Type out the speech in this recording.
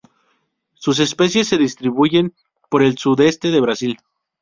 Sus especies se distribuyen por el sudeste de Brasil.